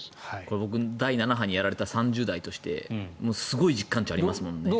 僕第７波にやられた３０代としてすごい実感値ありますもんね。